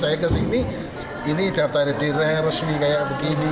saya kesini ini daftar diri resmi kayak begini